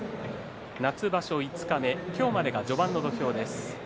夏場所五日目、今日までが序盤の土俵です。